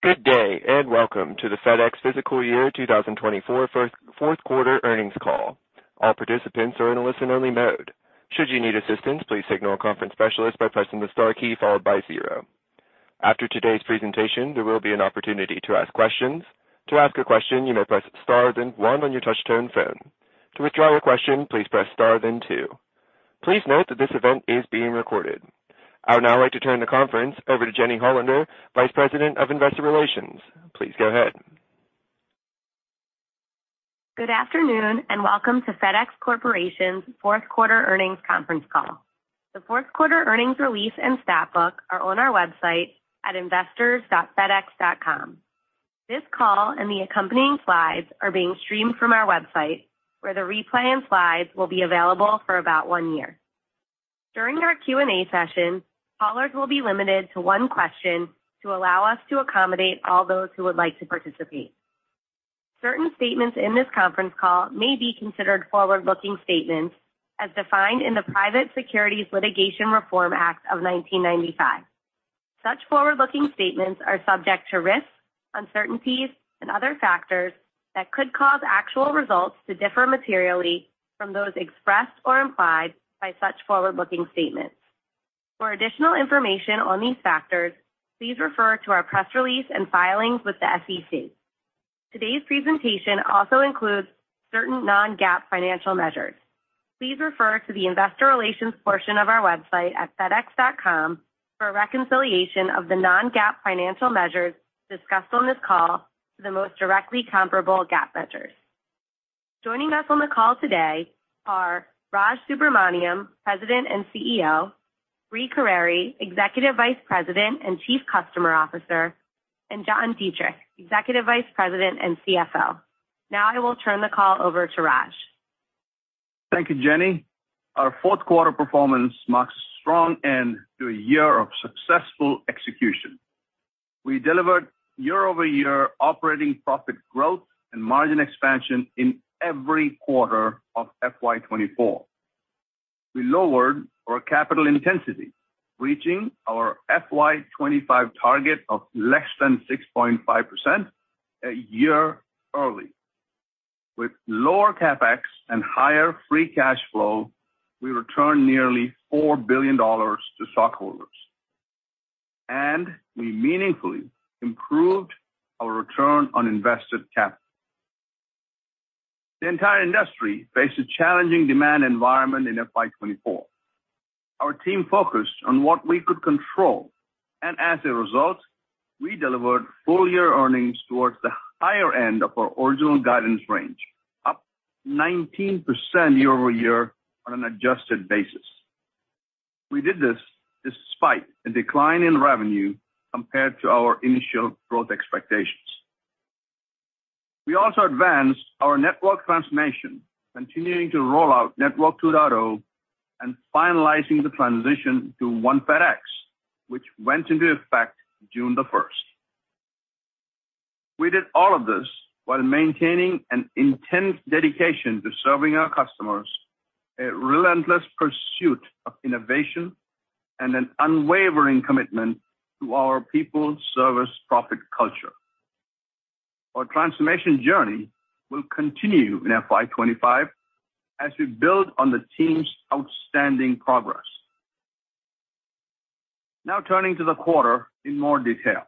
Good day and welcome to the FedEx Fiscal Year 2024 Fourth Quarter Earnings Call. All participants are in a listen-only mode. Should you need assistance, please signal a conference specialist by pressing the star key followed by zero. After today's presentation, there will be an opportunity to ask questions. To ask a question, you may press star then one on your touch-tone phone. To withdraw your question, please press star then two. Please note that this event is being recorded. I would now like to turn the conference over to Jenny Hollander, Vice President of Investor Relations. Please go ahead. Good afternoon and welcome to FedEx Corporation's Fourth Quarter Earnings Conference Call. The Fourth Quarter Earnings release and stat book are on our website at investors.fedex.com. This call and the accompanying slides are being streamed from our website, where the replay and slides will be available for about one year. During our Q&A session, callers will be limited to one question to allow us to accommodate all those who would like to participate. Certain statements in this conference call may be considered forward-looking statements, as defined in the Private Securities Litigation Reform Act of 1995. Such forward-looking statements are subject to risks, uncertainties, and other factors that could cause actual results to differ materially from those expressed or implied by such forward-looking statements. For additional information on these factors, please refer to our press release and filings with the SEC. Today's presentation also includes certain non-GAAP financial measures. Please refer to the Investor Relations portion of our website at FedEx.com for a reconciliation of the non-GAAP financial measures discussed on this call to the most directly comparable GAAP measures. Joining us on the call today are Raj Subramaniam, President and CEO; Brie Carere, Executive Vice President and Chief Customer Officer; and John Dietrich, Executive Vice President and CFO. Now I will turn the call over to Raj. Thank you, Jenny. Our fourth quarter performance marks a strong end to a year of successful execution. We delivered year-over-year operating profit growth and margin expansion in every quarter of FY24. We lowered our capital intensity, reaching our FY25 target of less than 6.5% a year early. With lower CapEx and higher free cash flow, we returned nearly $4 billion to stockholders, and we meaningfully improved our return on invested capital. The entire industry faced a challenging demand environment in FY24. Our team focused on what we could control, and as a result, we delivered full-year earnings towards the higher end of our original guidance range, up 19% year-over-year on an adjusted basis. We did this despite a decline in revenue compared to our initial growth expectations. We also advanced our network transformation, continuing to roll out Network 2.0 and finalizing the transition to One FedEx, which went into effect June the 1st. We did all of this while maintaining an intense dedication to serving our customers, a relentless pursuit of innovation, and an unwavering commitment to our people, service, profit culture. Our transformation journey will continue in FY25 as we build on the team's outstanding progress. Now turning to the quarter in more detail.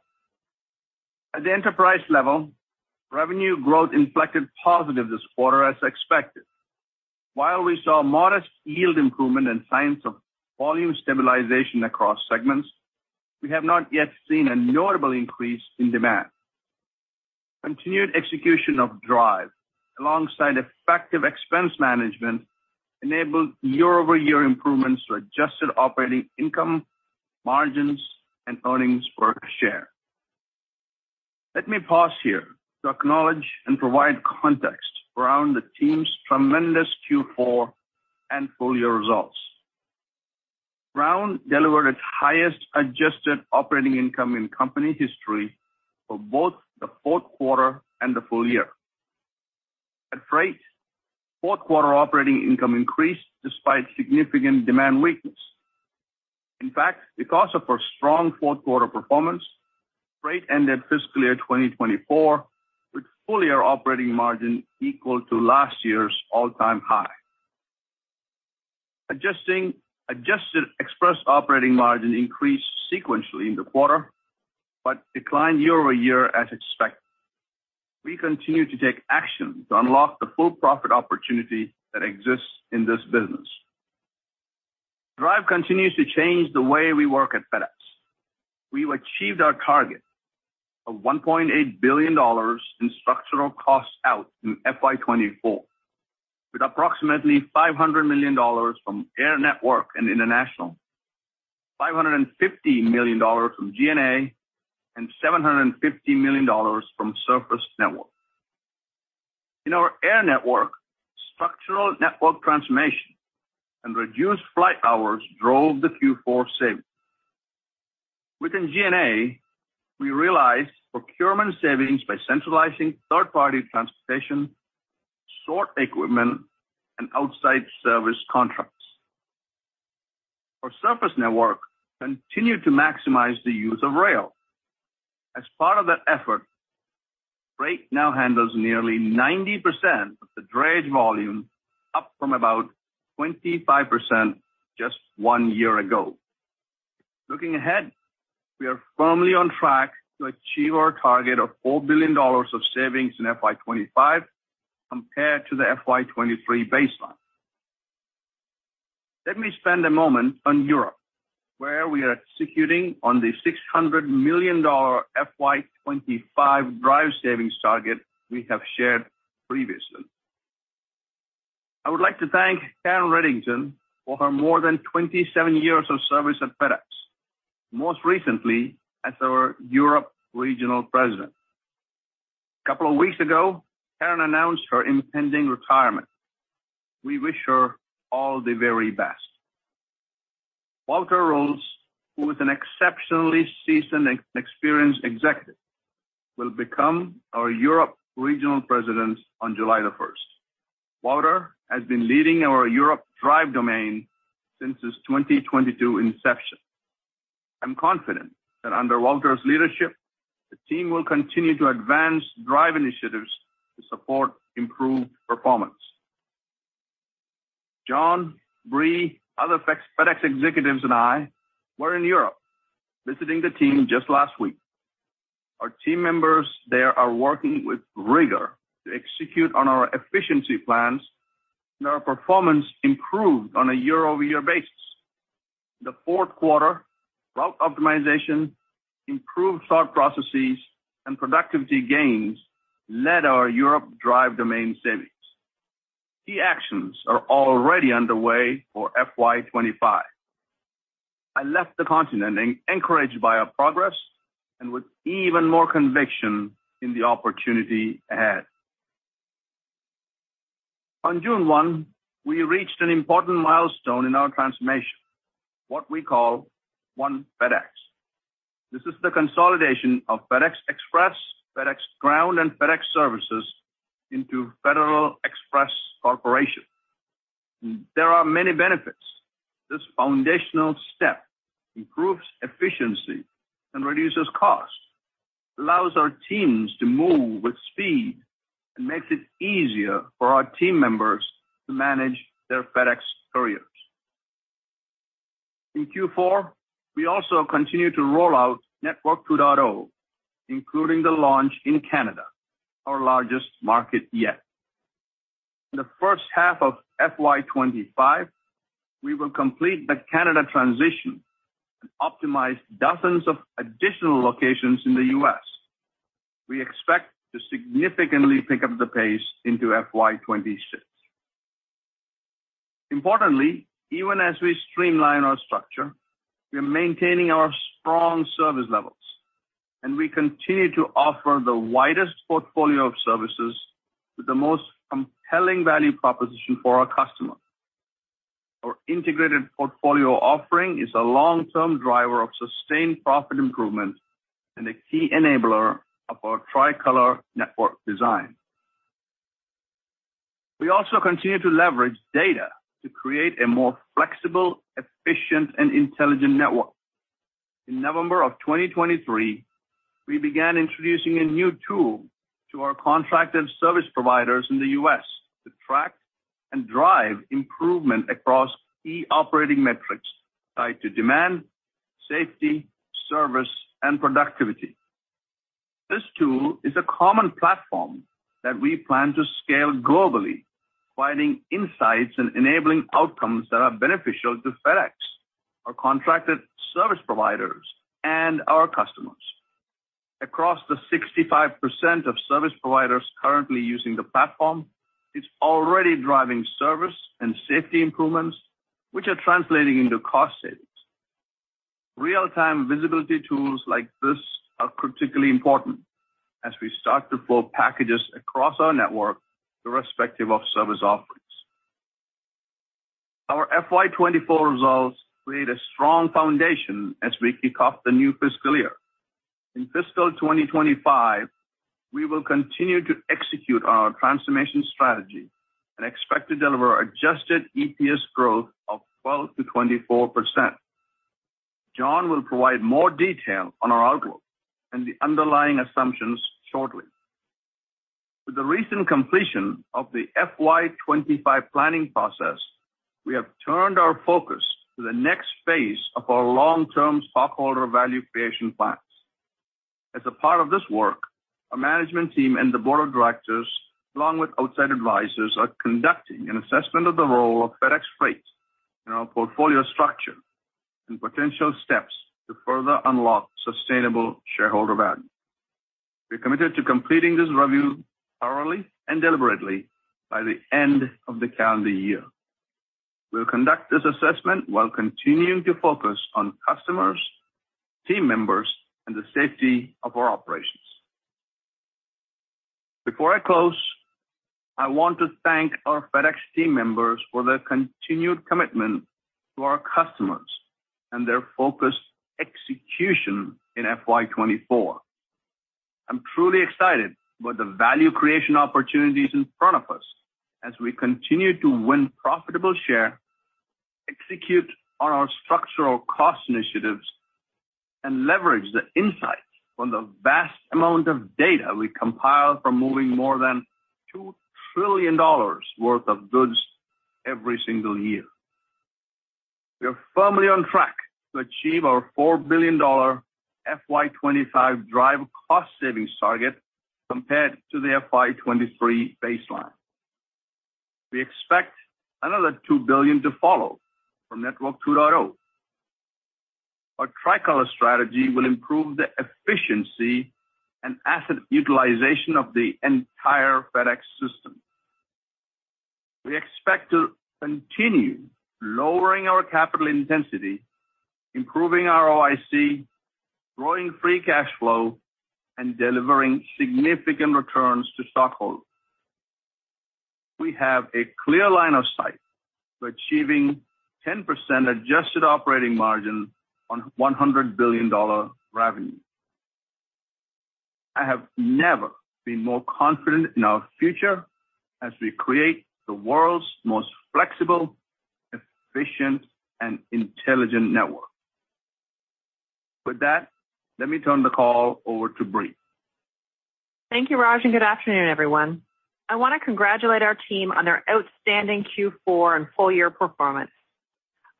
At the enterprise level, revenue growth inflected positive this quarter, as expected. While we saw modest yield improvement and signs of volume stabilization across segments, we have not yet seen a notable increase in demand. Continued execution of DRIVE, alongside effective expense management, enabled year-over-year improvements to adjusted operating income, margins, and earnings per share. Let me pause here to acknowledge and provide context around the team's tremendous Q4 and full-year results. Express delivered its highest adjusted operating income in company history for both the fourth quarter and the full year. At Freight, fourth quarter operating income increased despite significant demand weakness. In fact, because of its strong fourth quarter performance, Freight ended fiscal year 2024 with full-year operating margin equal to last year's all-time high. Adjusted Express operating margin increased sequentially in the quarter but declined year-over-year as expected. We continue to take action to unlock the full profit opportunity that exists in this business. DRIVE continues to change the way we work at FedEx. We've achieved our target of $1.8 billion in structural cost out in FY24, with approximately $500 million from Air Network and International, $550 million from G&A, and $750 million from Surface Network. In our Air Network, structural network transformation and reduced flight hours drove the Q4 savings. Within GNA, we realized procurement savings by centralizing third-party transportation, sort equipment, and outside service contracts. Our Surface Network continued to maximize the use of rail. As part of that effort, Freight now handles nearly 90% of the drayage volume, up from about 25% just one year ago. Looking ahead, we are firmly on track to achieve our target of $4 billion of savings in FY25 compared to the FY23 baseline. Let me spend a moment on Europe, where we are executing on the $600 million FY25 DRIVE savings target we have shared previously. I would like to thank Karen Reddington for her more than 27 years of service at FedEx, most recently as our Europe Regional President. A couple of weeks ago, Karen announced her impending retirement. We wish her all the very best. Wouter Roels, who is an exceptionally seasoned and experienced executive, will become our Europe Regional President on July 1st. Walter has been leading our Europe DRIVE domain since his 2022 inception. I'm confident that under Walter's leadership, the team will continue to advance DRIVE initiatives to support improved performance. John, Brie, other FedEx executives, and I were in Europe visiting the team just last week. Our team members there are working with rigor to execute on our efficiency plans, and our performance improved on a year-over-year basis. The fourth quarter route optimization, improved thought processes, and productivity gains led our Europe DRIVE domain savings. Key actions are already underway for FY25. I left the continent encouraged by our progress and with even more conviction in the opportunity ahead. On June 1, we reached an important milestone in our transformation, what we call One FedEx. This is the consolidation of FedEx Express, FedEx Ground, and FedEx Services into Federal Express Corporation. There are many benefits. This foundational step improves efficiency and reduces cost, allows our teams to move with speed, and makes it easier for our team members to manage their FedEx careers. In Q4, we also continue to roll out Network 2.0, including the launch in Canada, our largest market yet. In the first half of FY25, we will complete the Canada transition and optimize dozens of additional locations in the US. We expect to significantly pick up the pace into FY26. Importantly, even as we streamline our structure, we are maintaining our strong service levels, and we continue to offer the widest portfolio of services with the most compelling value proposition for our customer. Our integrated portfolio offering is a long-term driver of sustained profit improvement and a key enabler of our Tricolor network design. We also continue to leverage data to create a more flexible, efficient, and intelligent network. In November of 2023, we began introducing a new tool to our contracted service providers in the U.S. to track and drive improvement across key operating metrics tied to demand, safety, service, and productivity. This tool is a common platform that we plan to scale globally, providing insights and enabling outcomes that are beneficial to FedEx, our contracted service providers, and our customers. Across the 65% of service providers currently using the platform, it's already driving service and safety improvements, which are translating into cost savings. Real-time visibility tools like this are critically important as we start to flow packages across our network irrespective of service offerings. Our FY24 results create a strong foundation as we kick off the new fiscal year. In fiscal 2025, we will continue to execute on our transformation strategy and expect to deliver adjusted EPS growth of 12%-24%. John will provide more detail on our outlook and the underlying assumptions shortly. With the recent completion of the FY25 planning process, we have turned our focus to the next phase of our long-term stockholder value creation plans. As a part of this work, our management team and the board of directors, along with outside advisors, are conducting an assessment of the role of FedEx Freight in our portfolio structure and potential steps to further unlock sustainable shareholder value. We're committed to completing this review thoroughly and deliberately by the end of the calendar year. We'll conduct this assessment while continuing to focus on customers, team members, and the safety of our operations. Before I close, I want to thank our FedEx team members for their continued commitment to our customers and their focused execution in FY24. I'm truly excited about the value creation opportunities in front of us as we continue to win profitable share, execute on our structural cost initiatives, and leverage the insights from the vast amount of data we compile from moving more than $2 trillion worth of goods every single year. We are firmly on track to achieve our $4 billion FY25 DRIVE cost savings target compared to the FY23 baseline. We expect another $2 billion to follow from Network 2.0. Our Tricolor strategy will improve the efficiency and asset utilization of the entire FedEx system. We expect to continue lowering our capital intensity, improving our ROIC, growing free cash flow, and delivering significant returns to stockholders. We have a clear line of sight to achieving 10% adjusted operating margin on $100 billion revenue. I have never been more confident in our future as we create the world's most flexible, efficient, and intelligent network. With that, let me turn the call over to Brie. Thank you, Raj, and good afternoon, everyone. I want to congratulate our team on their outstanding Q4 and full-year performance.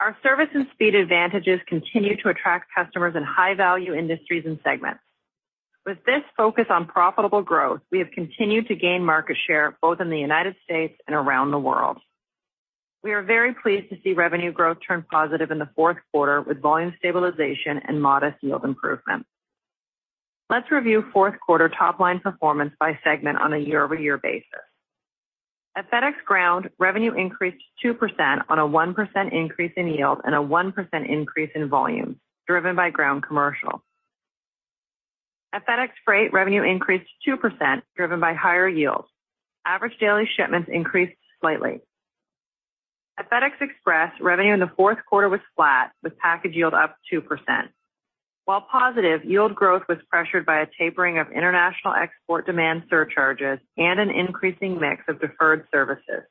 Our service and speed advantages continue to attract customers in high-value industries and segments. With this focus on profitable growth, we have continued to gain market share both in the United States and around the world. We are very pleased to see revenue growth turn positive in the fourth quarter with volume stabilization and modest yield improvement. Let's review fourth quarter top-line performance by segment on a year-over-year basis. At FedEx Ground, revenue increased 2% on a 1% increase in yield and a 1% increase in volume driven by Ground commercial. At FedEx Freight, revenue increased 2% driven by higher yield. Average daily shipments increased slightly. At FedEx Express, revenue in the fourth quarter was flat with package yield up 2%. While positive, yield growth was pressured by a tapering of international export demand surcharges and an increasing mix of deferred services.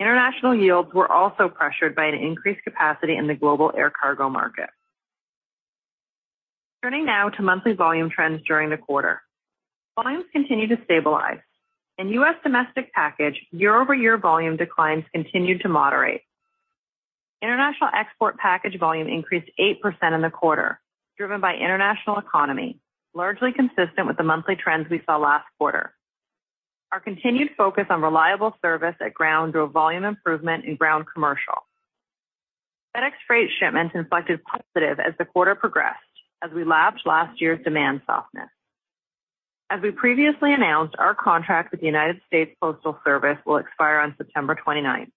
International yields were also pressured by an increased capacity in the global air cargo market. Turning now to monthly volume trends during the quarter. Volumes continue to stabilize. In U.S. domestic package, year-over-year volume declines continued to moderate. International export package volume increased 8% in the quarter driven by International Economy, largely consistent with the monthly trends we saw last quarter. Our continued focus on reliable service at Ground drew volume improvement in Ground commercial. FedEx Freight shipments inflected positive as the quarter progressed as we lapped last year's demand softness. As we previously announced, our contract with the United States Postal Service will expire on September 29th.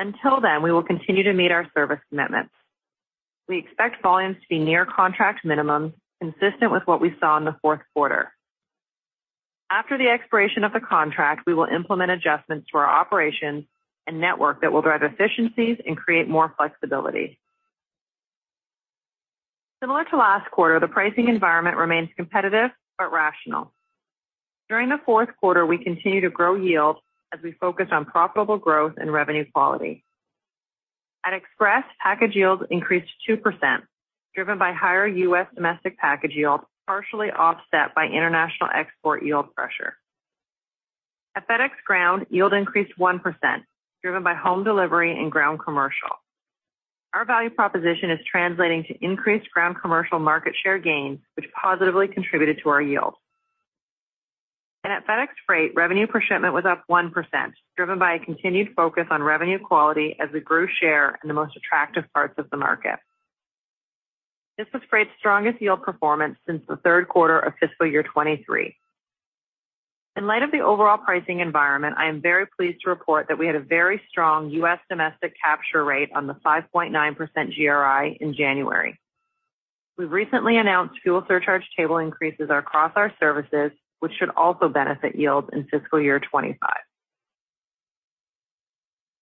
Until then, we will continue to meet our service commitments. We expect volumes to be near contract minimums consistent with what we saw in the fourth quarter. After the expiration of the contract, we will implement adjustments to our operations and network that will drive efficiencies and create more flexibility. Similar to last quarter, the pricing environment remains competitive but rational. During the fourth quarter, we continue to grow yield as we focus on profitable growth and revenue quality. At Express, package yields increased 2% driven by higher U.S. domestic package yield, partially offset by international export yield pressure. At FedEx Ground, yield increased 1% driven by home delivery and Ground commercial. Our value proposition is translating to increased Ground commercial market share gains, which positively contributed to our yield. At FedEx Freight, revenue per shipment was up 1% driven by a continued focus on revenue quality as we grew share in the most attractive parts of the market. This was Freight's strongest yield performance since the third quarter of fiscal year 2023. In light of the overall pricing environment, I am very pleased to report that we had a very strong U.S. domestic capture rate on the 5.9% GRI in January. We've recently announced fuel surcharge table increases across our services, which should also benefit yields in fiscal year 2025.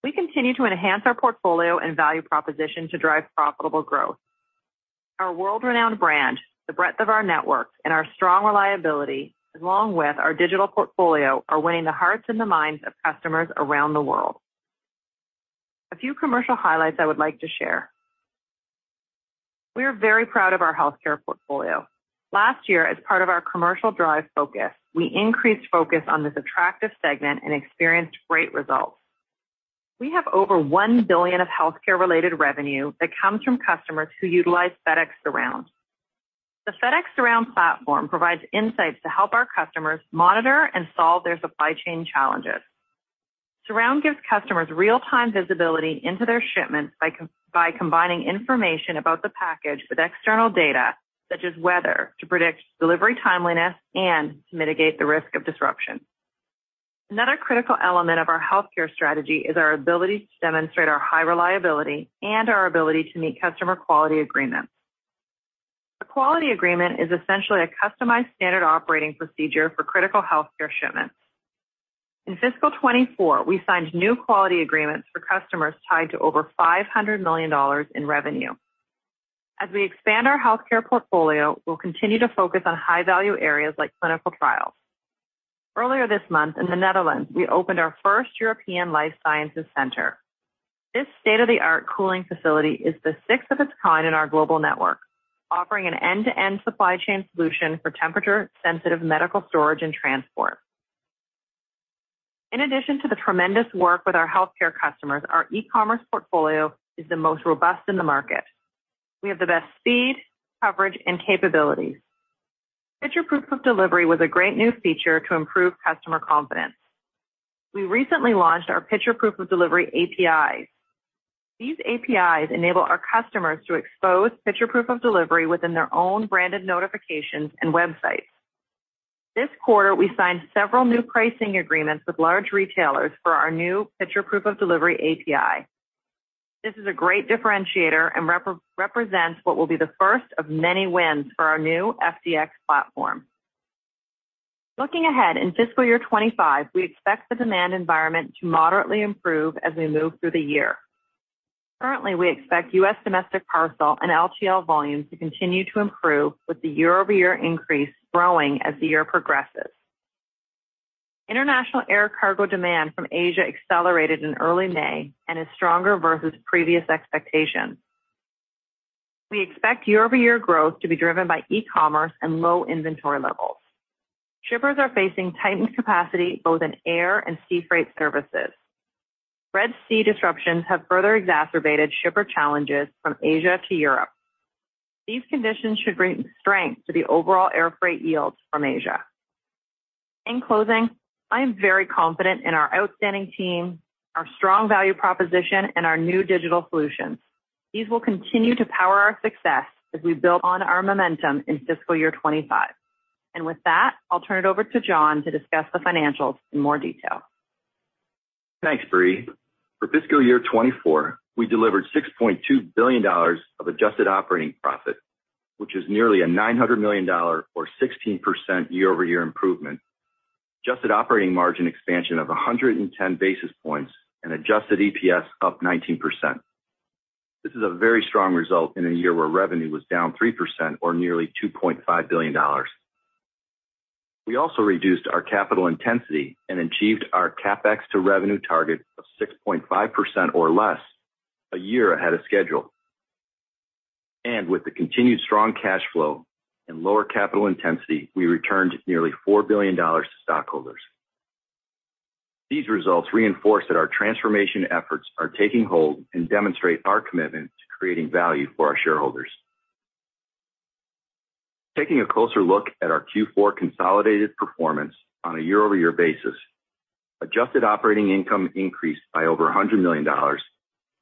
We continue to enhance our portfolio and value proposition to drive profitable growth. Our world-renowned brand, the breadth of our network, and our strong reliability, along with our digital portfolio, are winning the hearts and the minds of customers around the world. A few commercial highlights I would like to share. We are very proud of our healthcare portfolio. Last year, as part of our commercial drive focus, we increased focus on this attractive segment and experienced great results. We have over $1 billion of healthcare-related revenue that comes from customers who utilize FedEx Surround. The FedEx Surround platform provides insights to help our customers monitor and solve their supply chain challenges. Surround gives customers real-time visibility into their shipments by combining information about the package with external data, such as weather, to predict delivery timeliness and to mitigate the risk of disruption. Another critical element of our healthcare strategy is our ability to demonstrate our high reliability and our ability to meet customer quality agreements. A quality agreement is essentially a customized standard operating procedure for critical healthcare shipments. In fiscal 2024, we signed new quality agreements for customers tied to over $500 million in revenue. As we expand our healthcare portfolio, we'll continue to focus on high-value areas like clinical trials. Earlier this month, in the Netherlands, we opened our first European life sciences center. This state-of-the-art cooling facility is the sixth of its kind in our global network, offering an end-to-end supply chain solution for temperature-sensitive medical storage and transport. In addition to the tremendous work with our healthcare customers, our e-commerce portfolio is the most robust in the market. We have the best speed, coverage, and capabilities. Picture Proof of Delivery was a great new feature to improve customer confidence. We recently launched our Picture Proof of Delivery APIs. These APIs enable our customers to expose Picture Proof of Delivery within their own branded notifications and websites. This quarter, we signed several new pricing agreements with large retailers for our new Picture Proof of Delivery API. This is a great differentiator and represents what will be the first of many wins for our new fdx platform. Looking ahead in fiscal year 2025, we expect the demand environment to moderately improve as we move through the year. Currently, we expect U.S. domestic parcel and LTL volume to continue to improve with the year-over-year increase growing as the year progresses. International air cargo demand from Asia accelerated in early May and is stronger versus previous expectations. We expect year-over-year growth to be driven by E-commerce and low inventory levels. Shippers are facing tightened capacity both in air and sea freight services. Red Sea disruptions have further exacerbated shipper challenges from Asia to Europe. These conditions should bring strength to the overall air freight yields from Asia. In closing, I am very confident in our outstanding team, our strong value proposition, and our new digital solutions. These will continue to power our success as we build on our momentum in fiscal year 2025. And with that, I'll turn it over to John to discuss the financials in more detail. Thanks, Brie. For fiscal year 2024, we delivered $6.2 billion of adjusted operating profit, which is nearly a $900 million or 16% year-over-year improvement, adjusted operating margin expansion of 110 basis points, and adjusted EPS up 19%. This is a very strong result in a year where revenue was down 3% or nearly $2.5 billion. We also reduced our capital intensity and achieved our CapEx to revenue target of 6.5% or less a year ahead of schedule. With the continued strong cash flow and lower capital intensity, we returned nearly $4 billion to stockholders. These results reinforce that our transformation efforts are taking hold and demonstrate our commitment to creating value for our shareholders. Taking a closer look at our Q4 consolidated performance on a year-over-year basis, adjusted operating income increased by over $100 million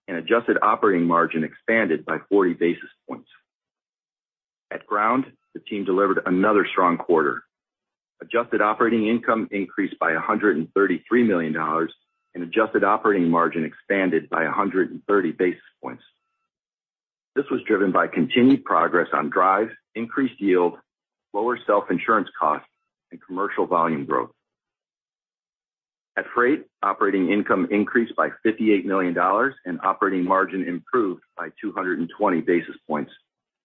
and adjusted operating margin expanded by 40 basis points. At Ground, the team delivered another strong quarter. Adjusted operating income increased by $133 million and adjusted operating margin expanded by 130 basis points. This was driven by continued progress on DRIVE, increased yield, lower self-insurance cost, and commercial volume growth. At Freight, operating income increased by $58 million and operating margin improved by 220 basis points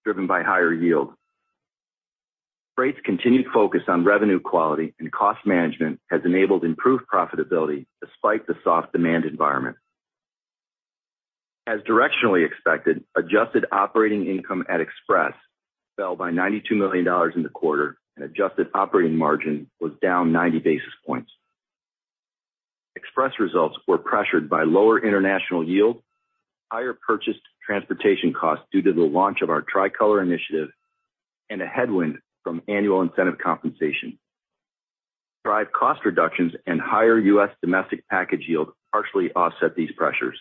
driven by higher yield. Freight's continued focus on revenue quality and cost management has enabled improved profitability despite the soft demand environment. As directionally expected, adjusted operating income at Express fell by $92 million in the quarter and adjusted operating margin was down 90 basis points. Express results were pressured by lower international yield, higher purchased transportation costs due to the launch of our Tricolor initiative, and a headwind from annual incentive compensation. DRIVE cost reductions and higher U.S. domestic package yield partially offset these pressures.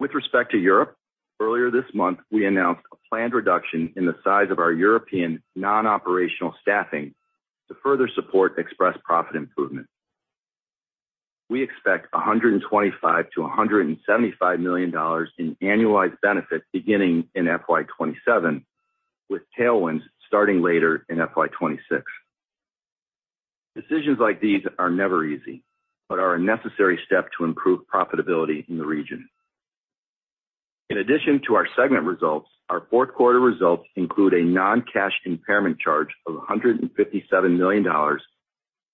With respect to Europe, earlier this month, we announced a planned reduction in the size of our European non-operational staffing to further support Express profit improvement. We expect $125-$175 million in annualized benefit beginning in FY27, with tailwinds starting later in FY26. Decisions like these are never easy, but are a necessary step to improve profitability in the region. In addition to our segment results, our fourth quarter results include a non-cash impairment charge of $157 million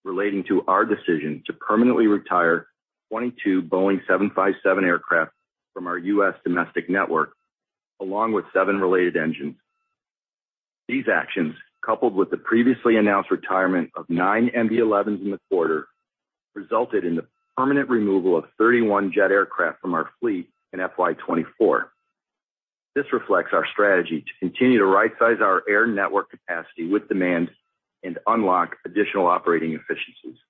relating to our decision to permanently retire 22 Boeing 757 aircraft from our U.S. domestic network, along with seven related engines. These actions, coupled with the previously announced retirement of nine MD-11s in the quarter, resulted in the permanent removal of 31 jet aircraft from our fleet in FY24. This reflects our strategy to continue to right-size our air network capacity with demand and unlock additional operating efficiencies.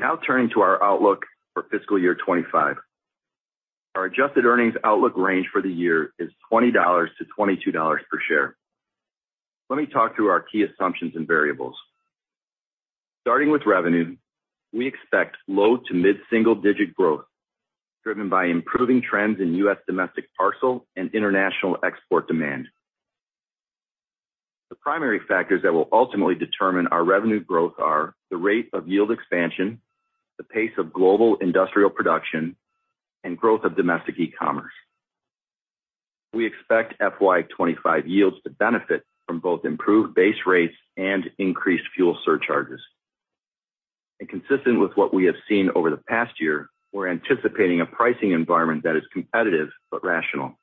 Now turning to our outlook for fiscal year 2025. Our adjusted earnings outlook range for the year is $20-$22 per share. Let me talk through our key assumptions and variables. Starting with revenue, we expect low to mid-single-digit growth driven by improving trends in U.S. domestic parcel and international export demand. The primary factors that will ultimately determine our revenue growth are the rate of yield expansion, the pace of global industrial production, and growth of domestic e-commerce. We expect FY25 yields to benefit from both improved base rates and increased fuel surcharges. And consistent with what we have seen over the past year, we're anticipating a pricing environment that is competitive but rational.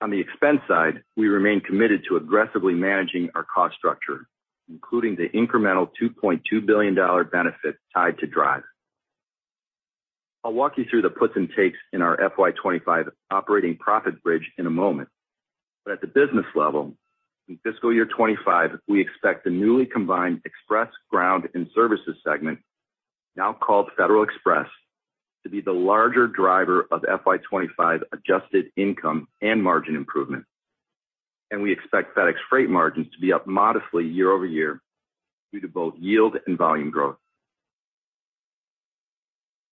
On the expense side, we remain committed to aggressively managing our cost structure, including the incremental $2.2 billion benefit tied to DRIVE. I'll walk you through the puts and takes in our FY25 operating profit bridge in a moment. At the business level, in fiscal year 2025, we expect the newly combined Express, Ground, and Services segment, now called Federal Express, to be the larger driver of FY25 adjusted income and margin improvement. We expect FedEx Freight margins to be up modestly year-over-year due to both yield and volume growth.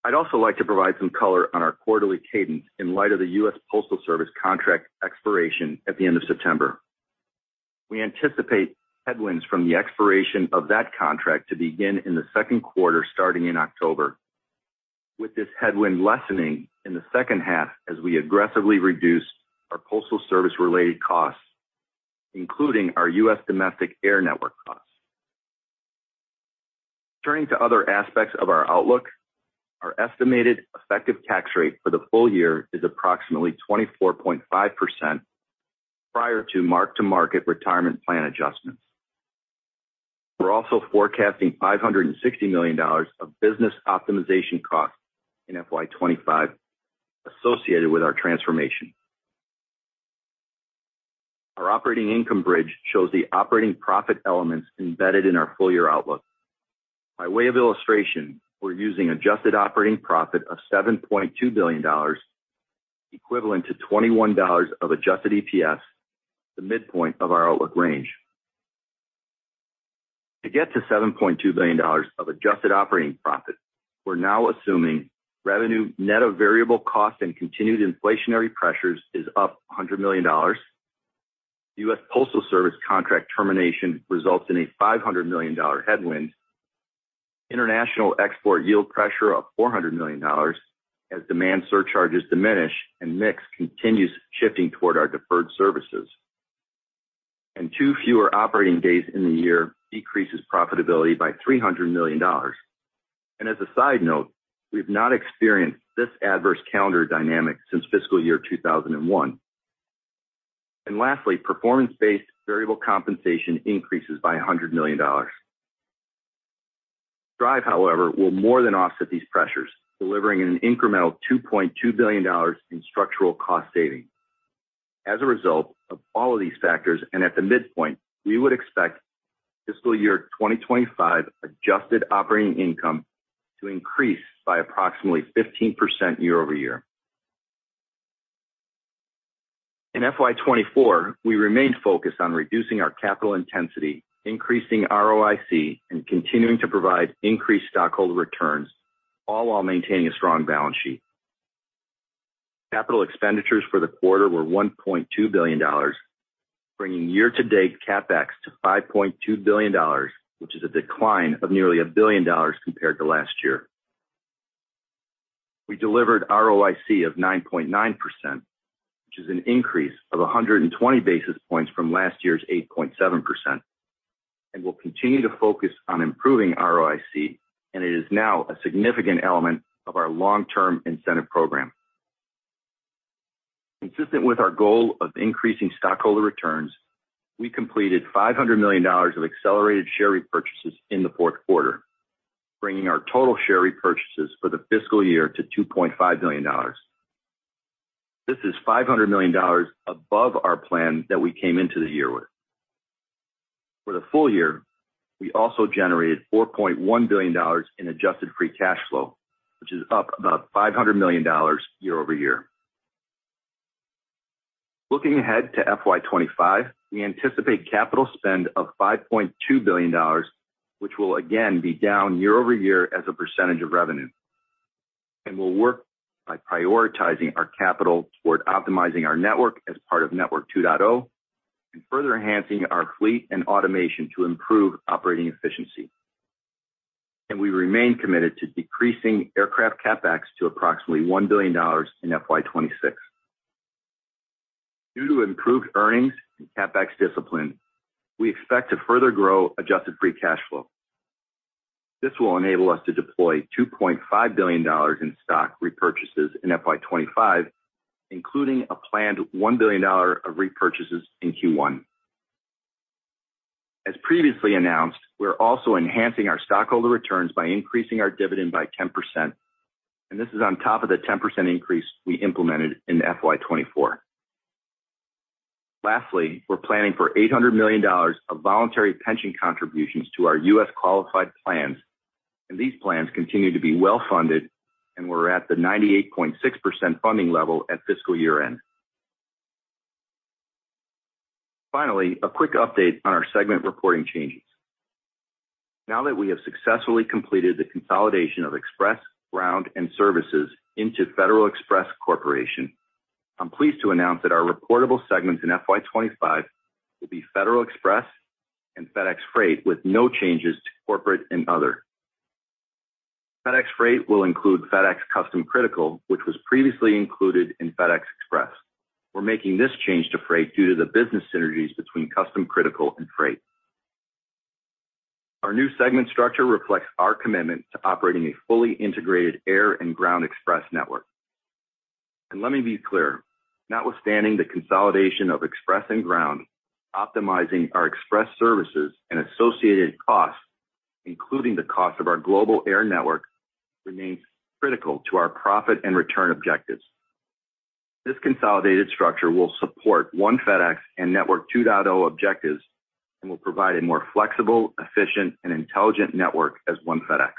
I'd also like to provide some color on our quarterly cadence in light of the U.S. Postal Service contract expiration at the end of September. We anticipate headwinds from the expiration of that contract to begin in the second quarter starting in October, with this headwind lessening in the second half as we aggressively reduce our Postal Service-related costs, including our U.S. domestic air network costs. Turning to other aspects of our outlook, our estimated effective tax rate for the full year is approximately 24.5% prior to mark-to-market retirement plan adjustments. We're also forecasting $560 million of business optimization costs in FY25 associated with our transformation. Our operating income bridge shows the operating profit elements embedded in our full-year outlook. By way of illustration, we're using adjusted operating profit of $7.2 billion, equivalent to $21 of adjusted EPS, the midpoint of our outlook range. To get to $7.2 billion of adjusted operating profit, we're now assuming revenue net of variable costs and continued inflationary pressures is up $100 million. The US Postal Service contract termination results in a $500 million headwind, international export yield pressure of $400 million as demand surcharges diminish and mix continues shifting toward our deferred services. Two fewer operating days in the year decreases profitability by $300 million. As a side note, we have not experienced this adverse calendar dynamic since fiscal year 2001. Lastly, performance-based variable compensation increases by $100 million. DRIVE, however, will more than offset these pressures, delivering an incremental $2.2 billion in structural cost savings. As a result of all of these factors and at the midpoint, we would expect fiscal year 2025 adjusted operating income to increase by approximately 15% year-over-year. In FY24, we remained focused on reducing our capital intensity, increasing ROIC, and continuing to provide increased stockholder returns, all while maintaining a strong balance sheet. Capital expenditures for the quarter were $1.2 billion, bringing year-to-date CapEx to $5.2 billion, which is a decline of nearly $1 billion compared to last year. We delivered ROIC of 9.9%, which is an increase of 120 basis points from last year's 8.7%. We'll continue to focus on improving ROIC, and it is now a significant element of our long-term incentive program. Consistent with our goal of increasing stockholder returns, we completed $500 million of accelerated share repurchases in the fourth quarter, bringing our total share repurchases for the fiscal year to $2.5 billion. This is $500 million above our plan that we came into the year with. For the full year, we also generated $4.1 billion in adjusted free cash flow, which is up about $500 million year-over-year. Looking ahead to FY25, we anticipate capital spend of $5.2 billion, which will again be down year-over-year as a percentage of revenue. We'll work by prioritizing our capital toward optimizing our network as part of Network 2.0 and further enhancing our fleet and automation to improve operating efficiency. We remain committed to decreasing aircraft CapEx to approximately $1 billion in FY26. Due to improved earnings and CapEx discipline, we expect to further grow adjusted free cash flow. This will enable us to deploy $2.5 billion in stock repurchases in FY25, including a planned $1 billion of repurchases in Q1. As previously announced, we're also enhancing our stockholder returns by increasing our dividend by 10%. This is on top of the 10% increase we implemented in FY24. Lastly, we're planning for $800 million of voluntary pension contributions to our US qualified plans. These plans continue to be well funded, and we're at the 98.6% funding level at fiscal year-end. Finally, a quick update on our segment reporting changes. Now that we have successfully completed the consolidation of Express, Ground, and Services into Federal Express Corporation, I'm pleased to announce that our reportable segments in FY25 will be Federal Express and FedEx Freight with no changes to corporate and other. FedEx Freight will include FedEx Custom Critical, which was previously included in FedEx Express. We're making this change to Freight due to the business synergies between Custom Critical and Freight. Our new segment structure reflects our commitment to operating a fully integrated air and ground Express network. Let me be clear, notwithstanding the consolidation of Express and Ground, optimizing our Express services and associated costs, including the cost of our global air network, remains critical to our profit and return objectives. This consolidated structure will support One FedEx and Network 2.0 objectives and will provide a more flexible, efficient, and intelligent network as One FedEx.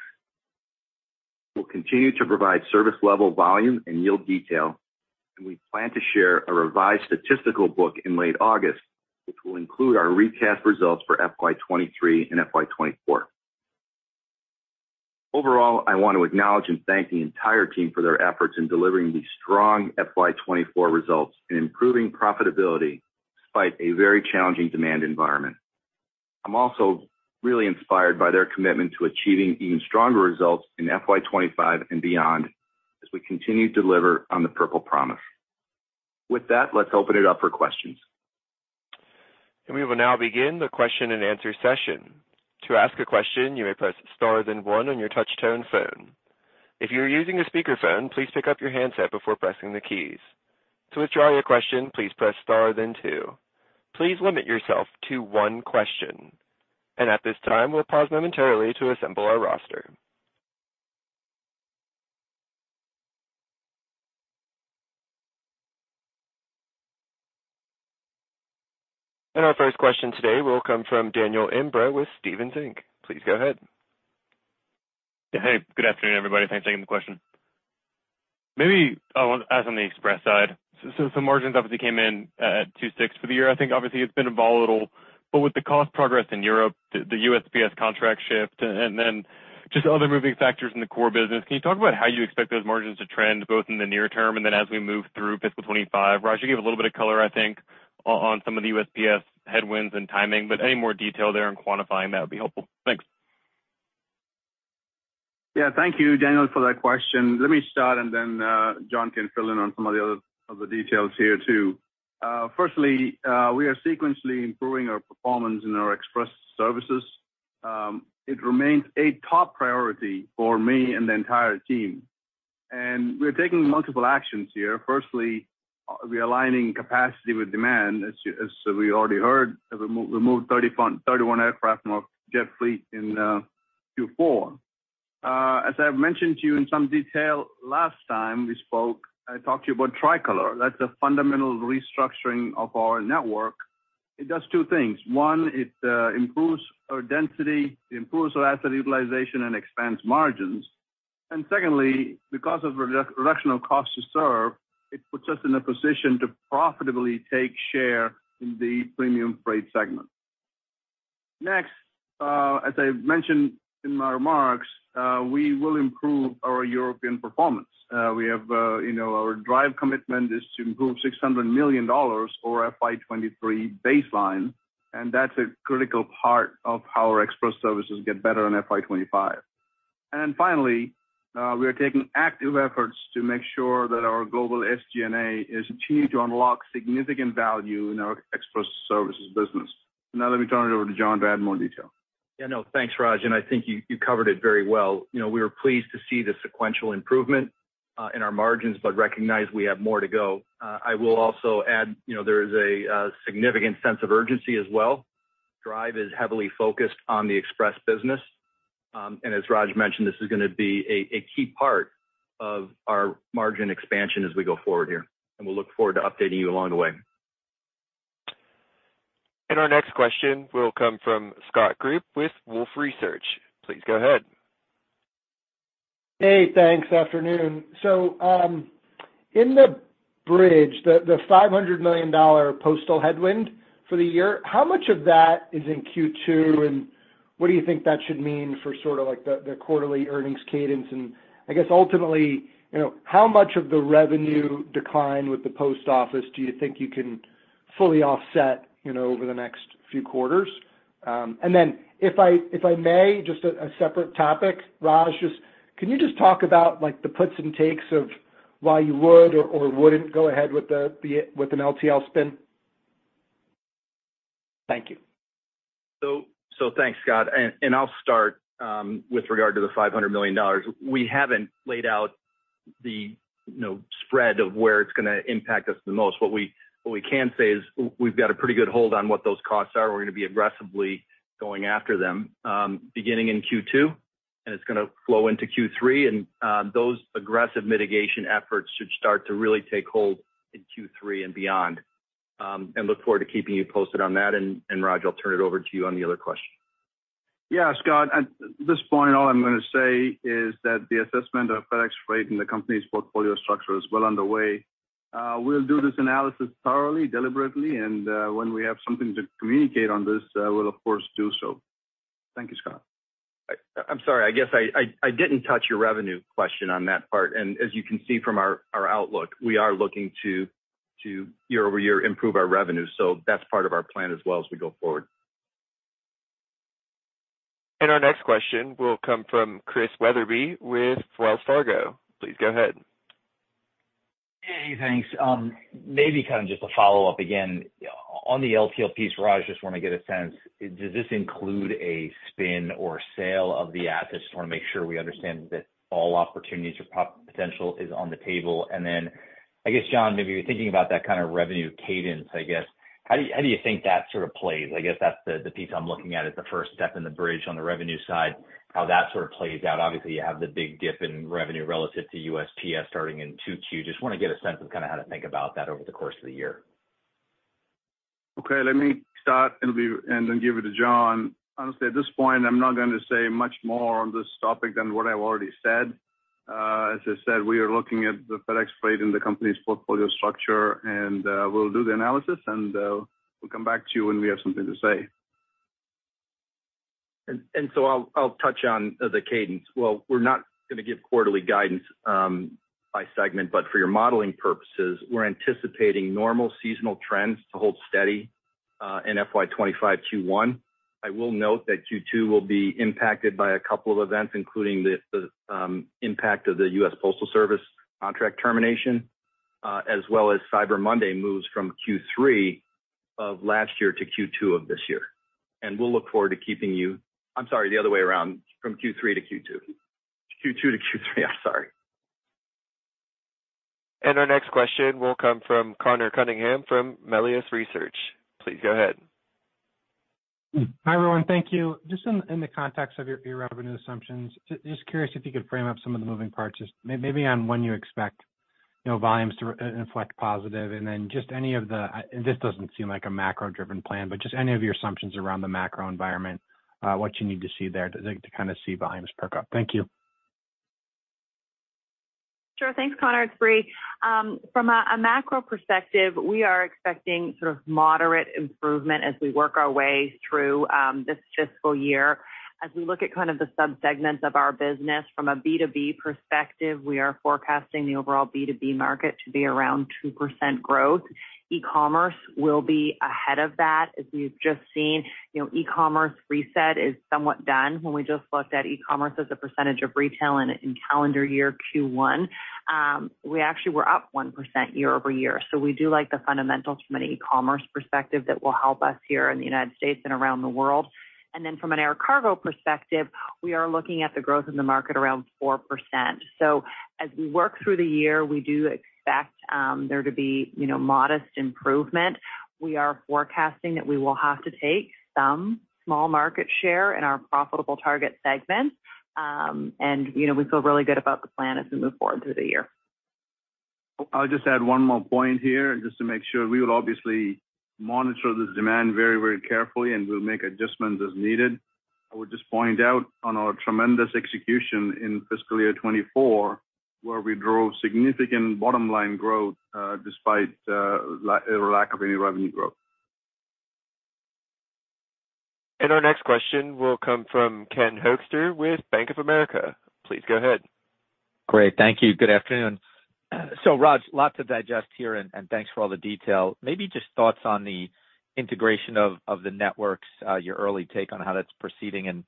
We'll continue to provide service-level volume and yield detail, and we plan to share a revised statistical book in late August, which will include our recast results for FY 2023 and FY 2024. Overall, I want to acknowledge and thank the entire team for their efforts in delivering these strong FY24 results and improving profitability despite a very challenging demand environment. I'm also really inspired by their commitment to achieving even stronger results in FY25 and beyond as we continue to deliver on the Purple Promise. With that, let's open it up for questions. We will now begin the question and answer session. To ask a question, you may press star then one on your touch-tone phone. If you're using a speakerphone, please pick up your handset before pressing the keys. To withdraw your question, please press star then two. Please limit yourself to one question. At this time, we'll pause momentarily to assemble our roster. Our first question today will come from Daniel Imbro with Stephens Inc. Please go ahead. Yeah, hey, good afternoon, everybody. Thanks for taking the question. Maybe I want to add on the Express side. So some margins obviously came in at 2.6% for the year. I think obviously it's been volatile. But with the cost progress in Europe, the USPS contract shift, and then just other moving factors in the core business, can you talk about how you expect those margins to trend both in the near term and then as we move through fiscal 2025? Raj, you gave a little bit of color, I think, on some of the USPS headwinds and timing, but any more detail there in quantifying, that would be helpful. Thanks. Yeah, thank you, Daniel, for that question. Let me start, and then John can fill in on some of the other details here too. Firstly, we are sequentially improving our performance in our Express services. It remains a top priority for me and the entire team. And we're taking multiple actions here. Firstly, we're aligning capacity with demand, as we already heard. We moved 31 aircraft from our jet fleet in Q4. As I've mentioned to you in some detail last time we spoke, I talked to you about Tricolor. That's a fundamental restructuring of our network. It does two things. One, it improves our density, it improves our asset utilization, and expands margins. And secondly, because of reduction of cost to serve, it puts us in a position to profitably take share in the premium freight segment. Next, as I mentioned in my remarks, we will improve our European performance. Our DRIVE commitment is to improve $600 million over FY23 baseline, and that's a critical part of how our Express services get better in FY25. And then finally, we are taking active efforts to make sure that our global SG&A is achieved to unlock significant value in our Express services business. Now let me turn it over to John to add more detail. Yeah, no, thanks, Raj. I think you covered it very well. We were pleased to see the sequential improvement in our margins, but recognize we have more to go. I will also add there is a significant sense of urgency as well. DRIVE is heavily focused on the Express business. As Raj mentioned, this is going to be a key part of our margin expansion as we go forward here. We'll look forward to updating you along the way. Our next question will come from Scott Group with Wolfe Research. Please go ahead. Hey, thanks. Afternoon. So in the bridge, the $500 million postal headwind for the year, how much of that is in Q2, and what do you think that should mean for sort of the quarterly earnings cadence? And I guess ultimately, how much of the revenue decline with the post office do you think you can fully offset over the next few quarters? And then if I may, just a separate topic, Raj, just can you just talk about the puts and takes of why you would or wouldn't go ahead with an LTL spin? Thank you. So thanks, Scott. And I'll start with regard to the $500 million. We haven't laid out the spread of where it's going to impact us the most. What we can say is we've got a pretty good hold on what those costs are. We're going to be aggressively going after them beginning in Q2, and it's going to flow into Q3. And those aggressive mitigation efforts should start to really take hold in Q3 and beyond. And look forward to keeping you posted on that. And Raj, I'll turn it over to you on the other question. Yeah, Scott. At this point, all I'm going to say is that the assessment of FedEx Freight and the company's portfolio structure is well underway. We'll do this analysis thoroughly, deliberately, and when we have something to communicate on this, we'll, of course, do so. Thank you, Scott. I'm sorry, I guess I didn't touch your revenue question on that part. As you can see from our outlook, we are looking to year-over-year improve our revenue. That's part of our plan as well as we go forward. Our next question will come from Chris Wetherbee with Wells Fargo. Please go ahead. Hey, thanks. Maybe kind of just a follow-up again. On the LTL piece, Raj, just want to get a sense. Does this include a spin or sale of the assets? Just want to make sure we understand that all opportunities or potential is on the table. And then I guess, John, maybe you're thinking about that kind of revenue cadence, I guess. How do you think that sort of plays? I guess that's the piece I'm looking at as the first step in the bridge on the revenue side, how that sort of plays out. Obviously, you have the big dip in revenue relative to USPS starting in Q2. Just want to get a sense of kind of how to think about that over the course of the year. Okay, let me start and then give it to John. Honestly, at this point, I'm not going to say much more on this topic than what I've already said. As I said, we are looking at the FedEx Freight and the company's portfolio structure, and we'll do the analysis, and we'll come back to you when we have something to say. I'll touch on the cadence. Well, we're not going to give quarterly guidance by segment, but for your modeling purposes, we're anticipating normal seasonal trends to hold steady in FY25 Q1. I will note that Q2 will be impacted by a couple of events, including the impact of the US Postal Service contract termination, as well as Cyber Monday moves from Q3 of last year to Q2 of this year. We'll look forward to keeping you, I'm sorry, the other way around, from Q3 to Q2. Q2 to Q3, I'm sorry. Our next question will come from Connor Cunningham from Melius Research. Please go ahead. Hi everyone, thank you. Just in the context of your revenue assumptions, just curious if you could frame up some of the moving parts, just maybe on when you expect volumes to inflect positive, and then just any of the - and this doesn't seem like a macro-driven plan - but just any of your assumptions around the macro environment, what you need to see there to kind of see volumes perk up. Thank you. Sure, thanks, Connor. It's Brie from a macro perspective. We are expecting sort of moderate improvement as we work our way through this fiscal year. As we look at kind of the subsegments of our business from a B2B perspective, we are forecasting the overall B2B market to be around 2% growth. E-commerce will be ahead of that, as we've just seen. E-commerce reset is somewhat done. When we just looked at e-commerce as a percentage of retail in calendar year Q1, we actually were up 1% year over year. So we do like the fundamentals from an e-commerce perspective that will help us here in the United States and around the world. And then from an air cargo perspective, we are looking at the growth in the market around 4%. So as we work through the year, we do expect there to be modest improvement. We are forecasting that we will have to take some small market share in our profitable target segment. We feel really good about the plan as we move forward through the year. I'll just add one more point here just to make sure. We will obviously monitor this demand very, very carefully, and we'll make adjustments as needed. I would just point out on our tremendous execution in fiscal year 2024, where we drove significant bottom line growth despite a lack of any revenue growth. Our next question will come from Ken Hoexter with Bank of America. Please go ahead. Great. Thank you. Good afternoon. So Raj, lots to digest here, and thanks for all the detail. Maybe just thoughts on the integration of the networks, your early take on how that's proceeding. And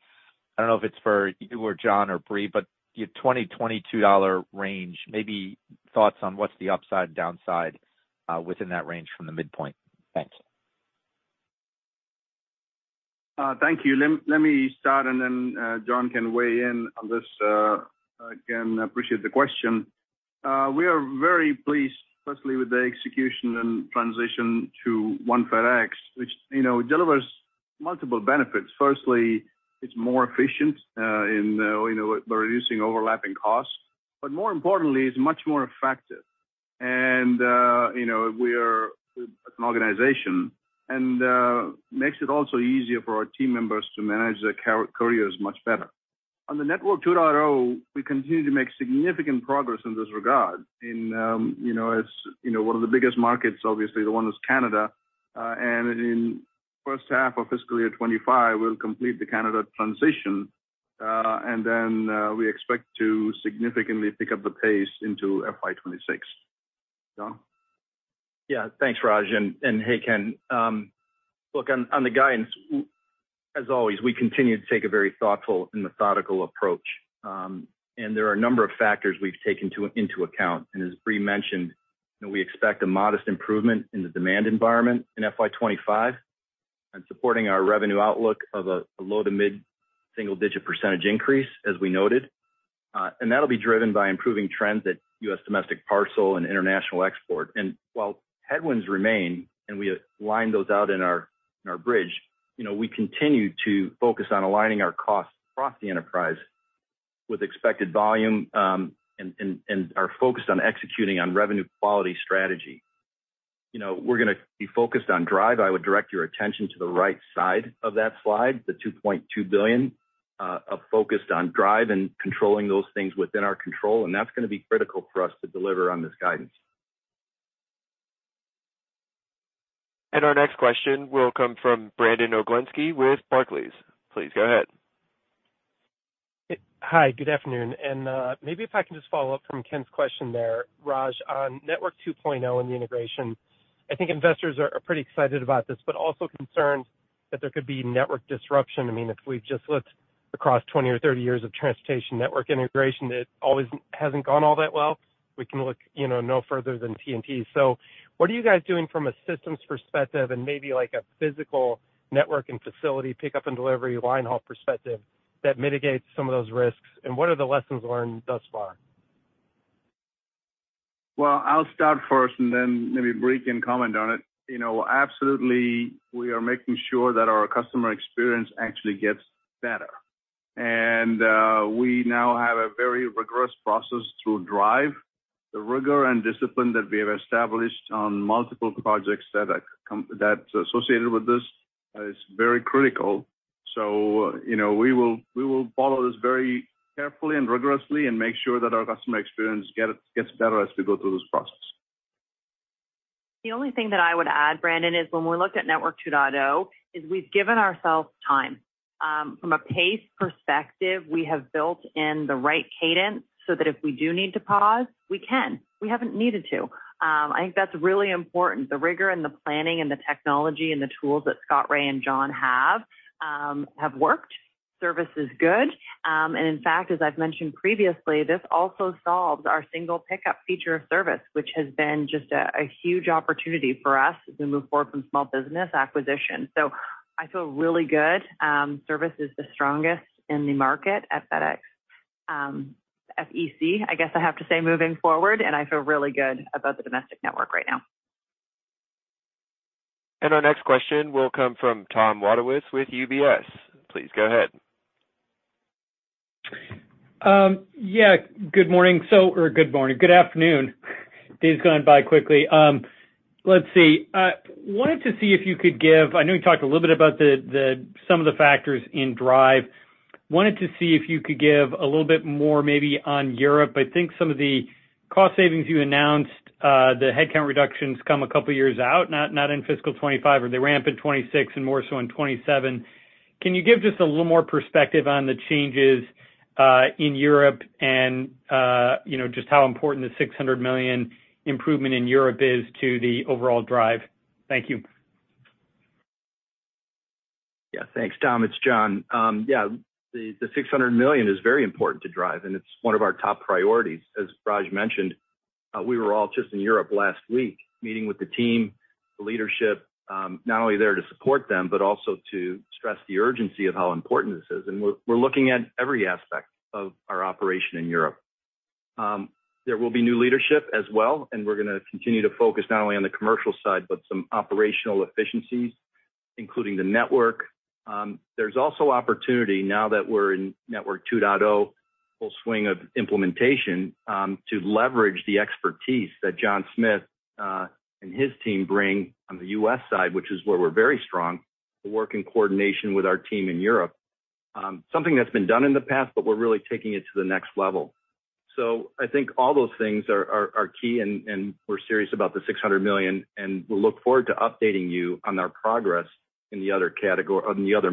I don't know if it's for you or John or Brie, but your $20-$22 range, maybe thoughts on what's the upside and downside within that range from the midpoint. Thanks. Thank you. Let me start, and then John can weigh in on this. Again, I appreciate the question. We are very pleased, especially with the execution and transition to One FedEx, which delivers multiple benefits. Firstly, it's more efficient in reducing overlapping costs. But more importantly, it's much more effective. And we are an organization, and it makes it also easier for our team members to manage their careers much better. On the Network 2.0, we continue to make significant progress in this regard. And as one of the biggest markets, obviously, the one is Canada. And in the first half of fiscal year 2025, we'll complete the Canada transition, and then we expect to significantly pick up the pace into FY 2026. John? Yeah, thanks, Raj. Hey, Ken, look, on the guidance, as always, we continue to take a very thoughtful and methodical approach. There are a number of factors we've taken into account. As Brie mentioned, we expect a modest improvement in the demand environment in FY25 and supporting our revenue outlook of a low- to mid-single-digit % increase, as we noted. That'll be driven by improving trends at U.S. domestic parcel and international export. While headwinds remain, and we align those out in our bridge, we continue to focus on aligning our cost across the enterprise with expected volume and are focused on executing on revenue quality strategy. We're going to be focused on DRIVE. I would direct your attention to the right side of that slide, the $2.2 billion of focused on DRIVE and controlling those things within our control. That's going to be critical for us to deliver on this guidance. Our next question will come from Brandon Oglenski with Barclays. Please go ahead. Hi, good afternoon. Maybe if I can just follow up from Ken's question there, Raj, on Network 2.0 and the integration, I think investors are pretty excited about this, but also concerned that there could be network disruption. I mean, if we've just looked across 20 or 30 years of transportation network integration, it always hasn't gone all that well. We can look no further than TNT. So what are you guys doing from a systems perspective and maybe a physical network and facility pickup and delivery linehaul perspective that mitigates some of those risks? And what are the lessons learned thus far? Well, I'll start first, and then maybe Brie can comment on it. Absolutely, we are making sure that our customer experience actually gets better. We now have a very rigorous process through DRIVE. The rigor and discipline that we have established on multiple projects that's associated with this is very critical. We will follow this very carefully and rigorously and make sure that our customer experience gets better as we go through this process. The only thing that I would add, Brandon, is when we looked at Network 2.0, is we've given ourselves time. From a pace perspective, we have built in the right cadence so that if we do need to pause, we can. We haven't needed to. I think that's really important. The rigor and the planning and the technology and the tools that Scott Ray and John have worked. Service is good. And in fact, as I've mentioned previously, this also solves our single pickup feature of service, which has been just a huge opportunity for us as we move forward from small business acquisition. So I feel really good. Service is the strongest in the market at FedEx, at fdx, I guess I have to say, moving forward. And I feel really good about the domestic network right now. Our next question will come from Tom Wadewitz with UBS. Please go ahead. Yeah, good morning. So or good morning. Good afternoon. Days are going by quickly. Let's see. Wanted to see if you could give, I know you talked a little bit about some of the factors in DRIVE. Wanted to see if you could give a little bit more maybe on Europe. I think some of the cost savings you announced, the headcount reductions come a couple of years out, not in fiscal 2025, or they ramp in 2026 and more so in 2027. Can you give just a little more perspective on the changes in Europe and just how important the $600 million improvement in Europe is to the overall DRIVE? Thank you. Yeah, thanks, Tom. It's John. Yeah, the $600 million is very important to drive, and it's one of our top priorities. As Raj mentioned, we were all just in Europe last week, meeting with the team, the leadership, not only there to support them, but also to stress the urgency of how important this is. We're looking at every aspect of our operation in Europe. There will be new leadership as well, and we're going to continue to focus not only on the commercial side, but some operational efficiencies, including the network. There's also opportunity now that we're in Network 2.0, full swing of implementation, to leverage the expertise that John Smith and his team bring on the U.S. side, which is where we're very strong, to work in coordination with our team in Europe. Something that's been done in the past, but we're really taking it to the next level. I think all those things are key, and we're serious about the $600 million, and we'll look forward to updating you on our progress in the other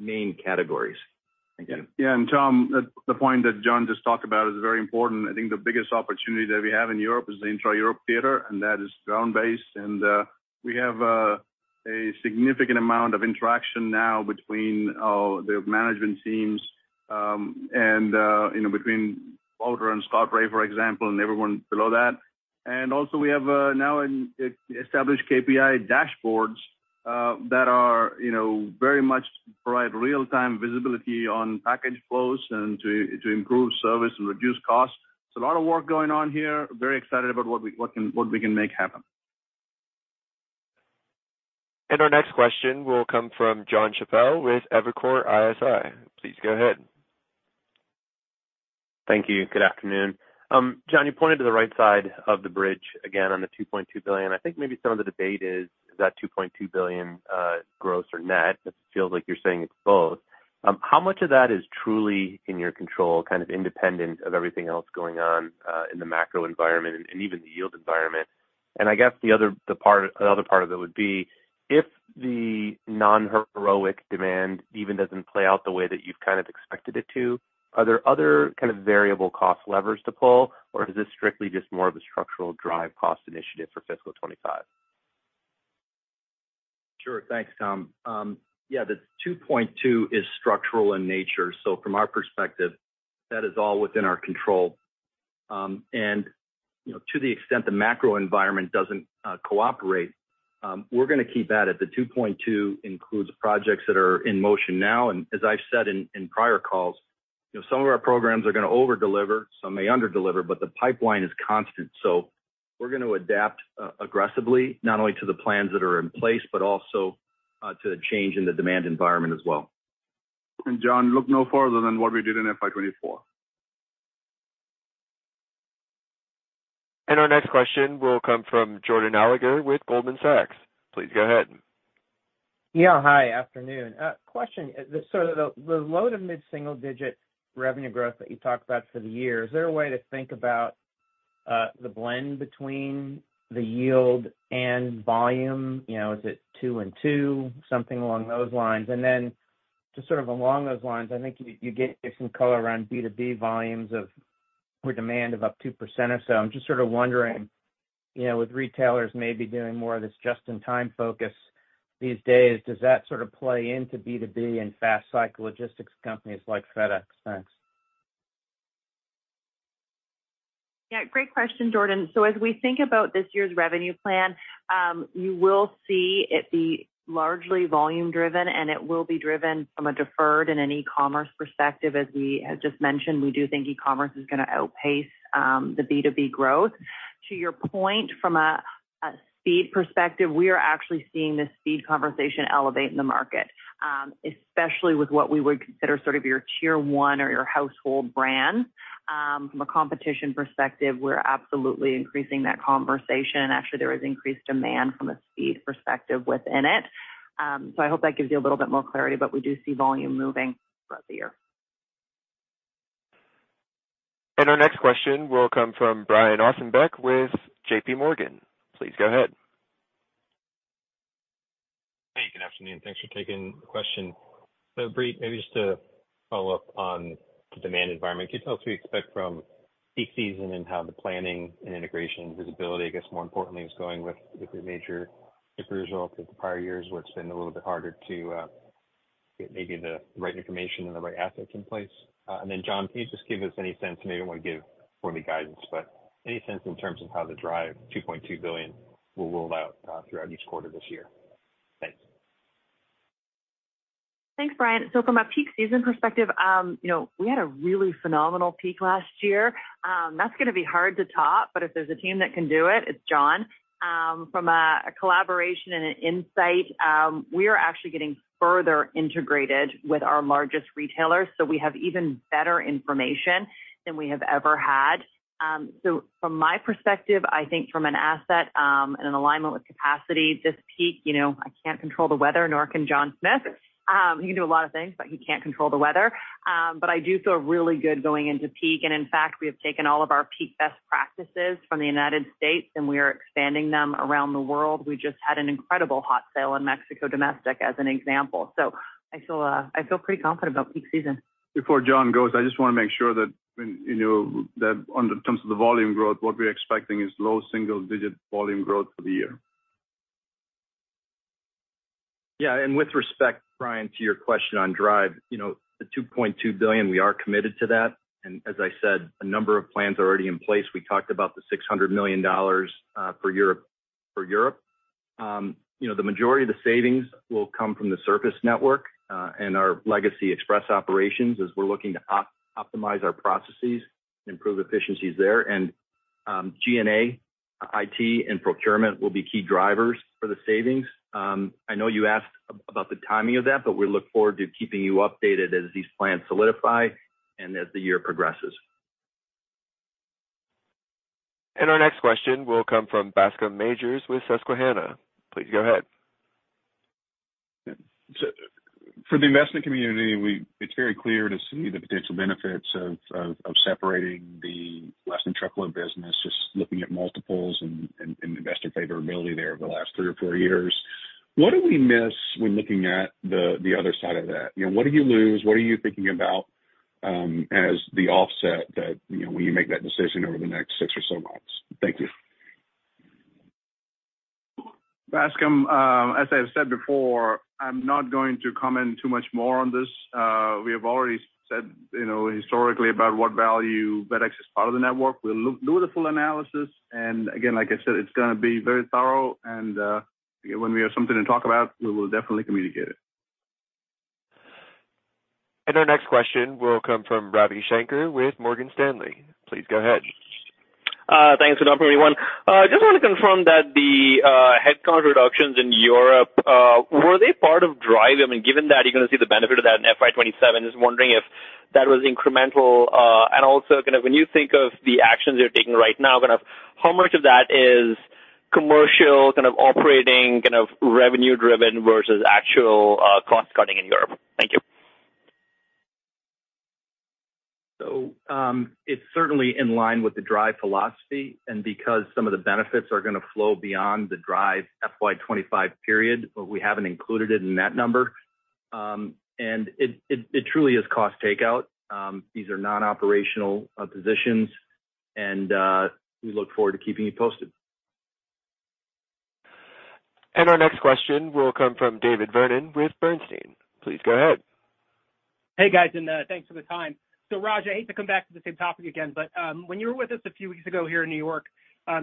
main categories. Yeah, and Tom, the point that John just talked about is very important. I think the biggest opportunity that we have in Europe is the intra-Europe theater, and that is ground-based. And we have a significant amount of interaction now between the management teams and between Walter and Scott Ray, for example, and everyone below that. And also, we have now established KPI dashboards that very much provide real-time visibility on package flows and to improve service and reduce costs. It's a lot of work going on here. Very excited about what we can make happen. Our next question will come from Jon Chappell with Evercore ISI. Please go ahead. Thank you. Good afternoon. John, you pointed to the right side of the bridge again on the $2.2 billion. I think maybe some of the debate is that $2.2 billion gross or net. It feels like you're saying it's both. How much of that is truly in your control, kind of independent of everything else going on in the macro environment and even the yield environment? And I guess the other part of it would be, if the non-heroic demand even doesn't play out the way that you've kind of expected it to, are there other kind of variable cost levers to pull, or is this strictly just more of a structural DRIVE cost initiative for fiscal 2025? Sure, thanks, Tom. Yeah, the 2.2 is structural in nature. So from our perspective, that is all within our control. And to the extent the macro environment doesn't cooperate, we're going to keep at it. The 2.2 includes projects that are in motion now. And as I've said in prior calls, some of our programs are going to overdeliver, some may underdeliver, but the pipeline is constant. So we're going to adapt aggressively, not only to the plans that are in place, but also to the change in the demand environment as well. John, look no further than what we did in FY24. And our next question will come from Jordan Alliger with Goldman Sachs. Please go ahead. Yeah, hi. Afternoon. Question. So the low to mid single-digit revenue growth that you talked about for the year, is there a way to think about the blend between the yield and volume? Is it 2 and 2, something along those lines? And then just sort of along those lines, I think you get some color around B2B volumes for demand of up 2% or so. I'm just sort of wondering, with retailers maybe doing more of this just-in-time focus these days, does that sort of play into B2B and fast-cycle logistics companies like FedEx? Thanks. Yeah, great question, Jordan. So as we think about this year's revenue plan, you will see it be largely volume-driven, and it will be driven from a deferred and an e-commerce perspective. As we just mentioned, we do think e-commerce is going to outpace the B2B growth. To your point, from a speed perspective, we are actually seeing the speed conversation elevate in the market, especially with what we would consider sort of your tier one or your household brand. From a competition perspective, we're absolutely increasing that conversation. And actually, there is increased demand from a speed perspective within it. So I hope that gives you a little bit more clarity, but we do see volume moving throughout the year. Our next question will come from Brian Ossenbeck with JPMorgan. Please go ahead. Hey, good afternoon. Thanks for taking the question. So Brie, maybe just to follow up on the demand environment, can you tell us what you expect from peak season and how the planning and integration visibility, I guess more importantly, is going with the major apparel compared to prior years where it's been a little bit harder to get maybe the right information and the right assets in place? And then John, can you just give us any sense—and maybe you won't give formal guidance—but any sense in terms of how the DRIVE $2.2 billion will roll out throughout each quarter this year? Thanks. Thanks, Brian. So from a peak season perspective, we had a really phenomenal peak last year. That's going to be hard to top, but if there's a team that can do it, it's John. From a collaboration and an insight, we are actually getting further integrated with our largest retailers. So we have even better information than we have ever had. So from my perspective, I think from an asset and an alignment with capacity, this peak, I can't control the weather, nor can John Smith. He can do a lot of things, but he can't control the weather. But I do feel really good going into peak. And in fact, we have taken all of our peak best practices from the United States, and we are expanding them around the world. We just had an incredible Hot ale in Mexico domestic as an example. I feel pretty confident about peak season. Before John goes, I just want to make sure that in terms of the volume growth, what we're expecting is low single-digit volume growth for the year. Yeah, and with respect, Brian, to your question on DRIVE, the $2.2 billion, we are committed to that. As I said, a number of plans are already in place. We talked about the $600 million for Europe. The majority of the savings will come from the surface network and our legacy express operations as we're looking to optimize our processes and improve efficiencies there. G&A, IT, and procurement will be key drivers for the savings. I know you asked about the timing of that, but we look forward to keeping you updated as these plans solidify and as the year progresses. Our next question will come from Bascome Majors with Susquehanna. Please go ahead. For the investment community, it's very clear to see the potential benefits of separating the lasting truckload business, just looking at multiples and investor favorability there over the last three or four years. What do we miss when looking at the other side of that? What do you lose? What are you thinking about as the offset when you make that decision over the next six or so months? Thank you. Bascome, as I've said before, I'm not going to comment too much more on this. We have already said historically about what value FedEx is part of the network. We'll do the full analysis. And again, like I said, it's going to be very thorough. And when we have something to talk about, we will definitely communicate it. Our next question will come from Ravi Shanker with Morgan Stanley. Please go ahead. Thanks for that, everyone. Just want to confirm that the headcount reductions in Europe were they part of DRIVE? I mean, given that you're going to see the benefit of that in FY27, just wondering if that was incremental. And also kind of when you think of the actions you're taking right now, kind of how much of that is commercial kind of operating kind of revenue-driven versus actual cost cutting in Europe? Thank you. It's certainly in line with the DRIVE philosophy. Because some of the benefits are going to flow beyond the DRIVE FY25 period, we haven't included it in that number. It truly is cost takeout. These are non-operational positions. We look forward to keeping you posted. Our next question will come from David Vernon with Bernstein. Please go ahead. Hey, guys, and thanks for the time. So Raj, I hate to come back to the same topic again, but when you were with us a few weeks ago here in New York,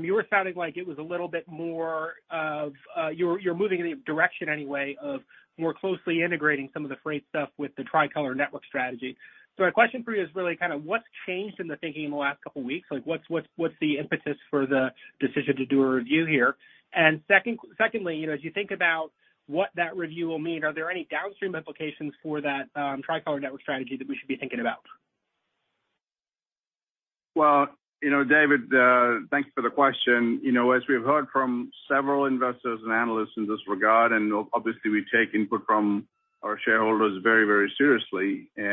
you were sounding like it was a little bit more of you're moving in the direction anyway of more closely integrating some of the freight stuff with the Tricolor network strategy. So my question for you is really kind of what's changed in the thinking in the last couple of weeks? What's the impetus for the decision to do a review here? And secondly, as you think about what that review will mean, are there any downstream implications for that Tricolor network strategy that we should be thinking about? Well, David, thanks for the question. As we've heard from several investors and analysts in this regard, and obviously, we take input from our shareholders very, very seriously. This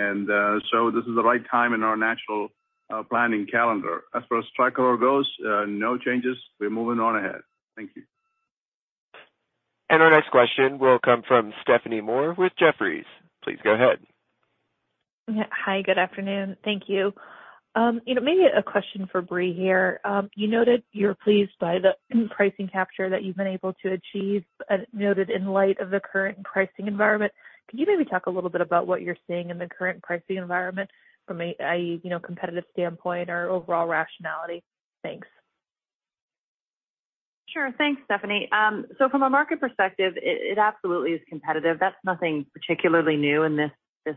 is the right time in our national planning calendar. As far as Tricolor goes, no changes. We're moving on ahead. Thank you. Our next question will come from Stephanie Moore with Jefferies. Please go ahead. Hi, good afternoon. Thank you. Maybe a question for Brie here. You noted you're pleased by the pricing capture that you've been able to achieve, noted in light of the current pricing environment. Could you maybe talk a little bit about what you're seeing in the current pricing environment, i.e., competitive standpoint or overall rationality? Thanks. Sure. Thanks, Stephanie. So from a market perspective, it absolutely is competitive. That's nothing particularly new in this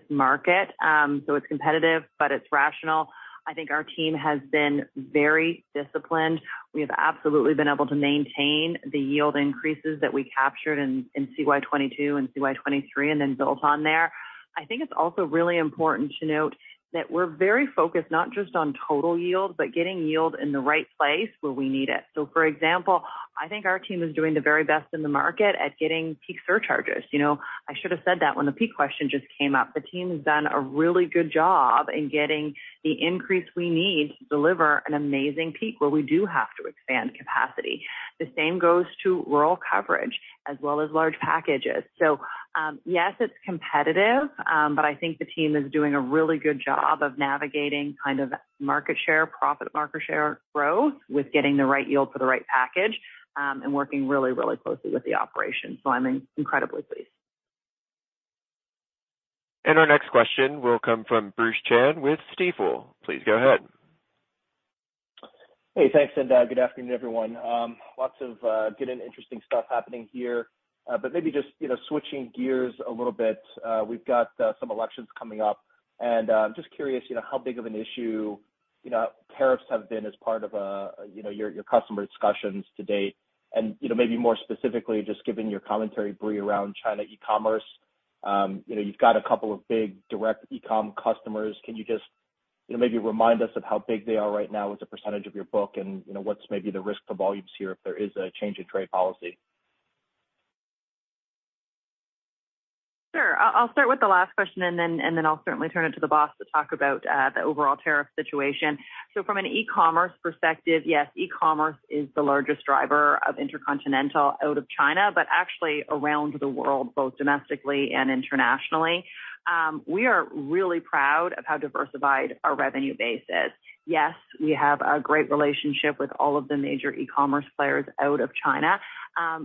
market. So it's competitive, but it's rational. I think our team has been very disciplined. We have absolutely been able to maintain the yield increases that we captured in CY22 and CY23 and then built on there. I think it's also really important to note that we're very focused not just on total yield, but getting yield in the right place where we need it. So for example, I think our team is doing the very best in the market at getting peak surcharges. I should have said that when the peak question just came up. The team has done a really good job in getting the increase we need to deliver an amazing peak where we do have to expand capacity. The same goes to rural coverage as well as large packages. So yes, it's competitive, but I think the team is doing a really good job of navigating kind of market share, profit market share growth with getting the right yield for the right package and working really, really closely with the operation. So I'm incredibly pleased. Our next question will come from Bruce Chan with Stifel. Please go ahead. Hey, thanks. Good afternoon, everyone. Lots of good and interesting stuff happening here. Maybe just switching gears a little bit, we've got some elections coming up. I'm just curious how big of an issue tariffs have been as part of your customer discussions to date. Maybe more specifically, just given your commentary, Brie, around China e-commerce, you've got a couple of big direct e-com customers. Can you just maybe remind us of how big they are right now as a percentage of your book and what's maybe the risk to volumes here if there is a change in trade policy? Sure. I'll start with the last question, and then I'll certainly turn it to the boss to talk about the overall tariff situation. So from an e-commerce perspective, yes, e-commerce is the largest driver of intercontinental out of China, but actually around the world, both domestically and internationally. We are really proud of how diversified our revenue base is. Yes, we have a great relationship with all of the major e-commerce players out of China.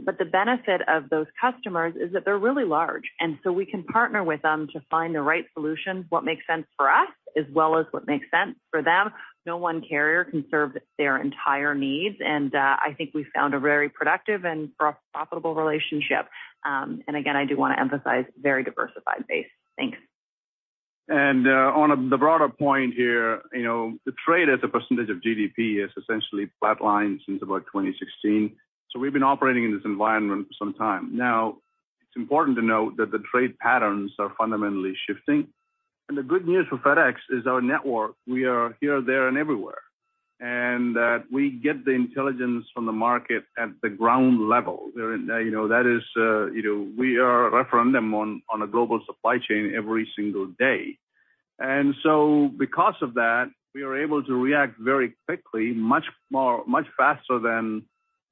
But the benefit of those customers is that they're really large. And so we can partner with them to find the right solutions, what makes sense for us, as well as what makes sense for them. No one carrier can serve their entire needs. And I think we found a very productive and profitable relationship. And again, I do want to emphasize very diversified base. Thanks. On the broader point here, the trade as a percentage of GDP has essentially flatlined since about 2016. We've been operating in this environment for some time. Now, it's important to note that the trade patterns are fundamentally shifting. The good news for FedEx is our network. We are here, there, and everywhere. We get the intelligence from the market at the ground level. That is, we are a referendum on a global supply chain every single day. Because of that, we are able to react very quickly, much faster than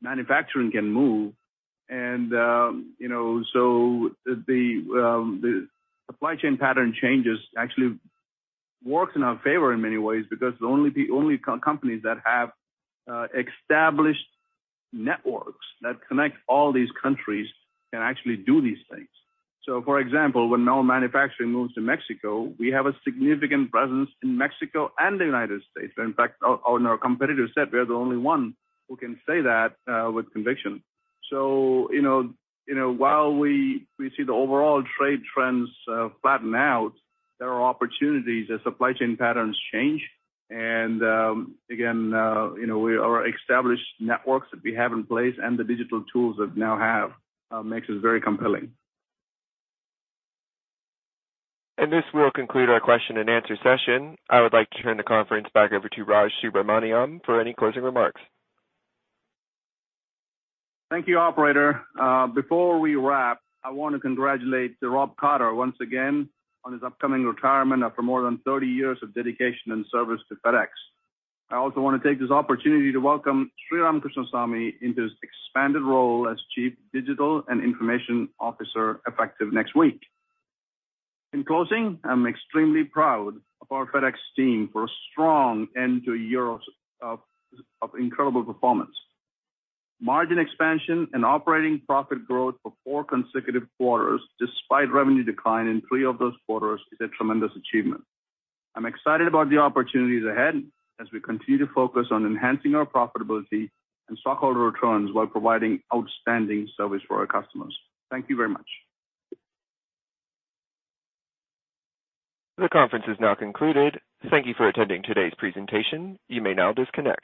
manufacturing can move. The supply chain pattern changes actually works in our favor in many ways because the only companies that have established networks that connect all these countries can actually do these things. So for example, when manufacturing moves to Mexico, we have a significant presence in Mexico and the United States. In fact, our competitor said we are the only one who can say that with conviction. So while we see the overall trade trends flatten out, there are opportunities as supply chain patterns change. And again, our established networks that we have in place and the digital tools that we now have make us very compelling. This will conclude our question and answer session. I would like to turn the conference back over to Raj Subramaniam for any closing remarks. Thank you, operator. Before we wrap, I want to congratulate Rob Carter once again on his upcoming retirement after more than 30 years of dedication and service to FedEx. I also want to take this opportunity to welcome Sriram Krishnasamy into his expanded role as Chief Digital and Information Officer effective next week. In closing, I'm extremely proud of our FedEx team for a strong end to a year of incredible performance. Margin expansion and operating profit growth for four consecutive quarters despite revenue decline in three of those quarters is a tremendous achievement. I'm excited about the opportunities ahead as we continue to focus on enhancing our profitability and stockholder returns while providing outstanding service for our customers. Thank you very much. The conference is now concluded. Thank you for attending today's presentation. You may now disconnect.